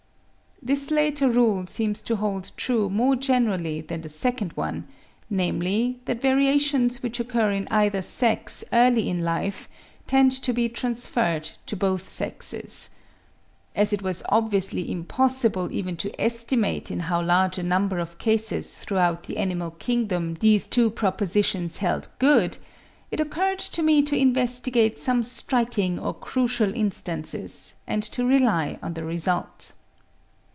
This latter rule seems to hold true more generally than the second one, namely, that variations which occur in either sex early in life tend to be transferred to both sexes. As it was obviously impossible even to estimate in how large a number of cases throughout the animal kingdom these two propositions held good, it occurred to me to investigate some striking or crucial instances, and to rely on the result.